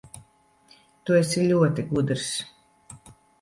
Tu esi ļoti gudrs.